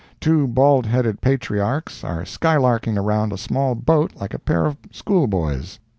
Two bald headed patriarchs are skylarking around a small boat like a pair of schoolboys.